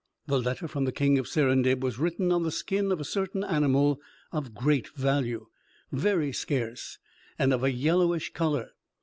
The letter from the King of Serendib was written on the skin of a certain animal of great value, very scarce, and of a yellowish color.